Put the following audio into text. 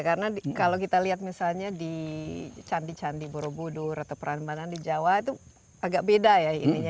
karena kalau kita lihat misalnya di candi candi borobudur atau peranbanan di jawa itu agak beda ya ininya